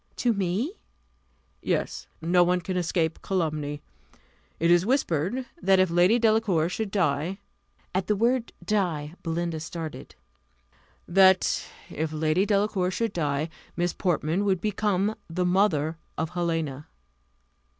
"To me!" "Yes. No one can escape calumny. It is whispered, that if Lady Delacour should die ." At the word die, Belinda started. "That if Lady Delacour should die, Miss Portman would become the mother of Helena!"